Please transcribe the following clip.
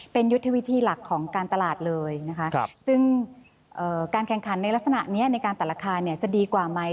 เป็นยุทธวิธีหลักของการตลาดเลยนะคะซึ่งการแข่งขันในลักษณะนี้ในการตัดราคาเนี่ยจะดีกว่าไหม